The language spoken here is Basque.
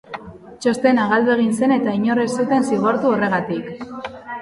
Txostena galdu egin zen eta inor ez zuten zigortu horregatik.